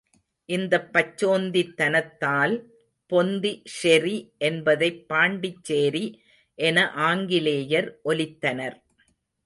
இந்தப் பச்சோந்தித்தனத்தால், பொந்தி ஷெரி என்பதைப் பாண்டிச்சேரி என ஆங்கிலேயர் ஒலித்தனர்.